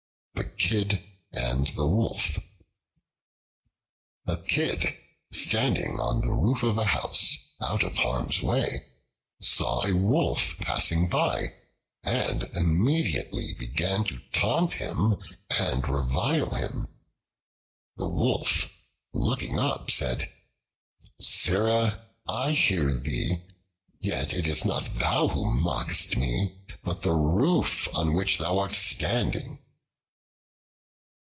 The Kid and the Wolf A KID standing on the roof of a house, out of harm's way, saw a Wolf passing by and immediately began to taunt and revile him. The Wolf, looking up, said, "Sirrah! I hear thee: yet it is not thou who mockest me, but the roof on which thou art standing."